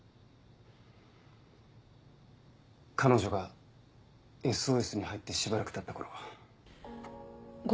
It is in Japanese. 彼女が「ＳＯＳ」に入ってしばらくたった頃。